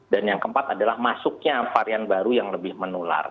dan yang keempat adalah masuknya varian baru yang lebih menular